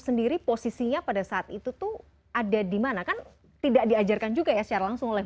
sendiri posisinya pada saat itu tuh ada dimana kan tidak diajarkan juga ya secara langsung oleh